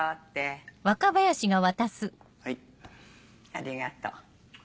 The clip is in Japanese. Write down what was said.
ありがとう。